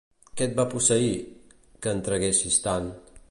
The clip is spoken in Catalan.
Què et va posseir, que en traguessis tant?